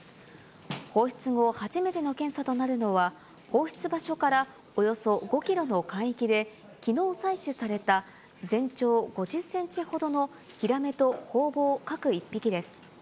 放出後初めての検査となるのは、放出場所からおよそ５キロの海域できのう採取された全長５０センチほどのヒラメとホウボウ各１匹です。